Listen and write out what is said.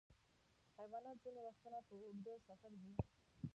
حیوانات ځینې وختونه په اوږده سفر ځي.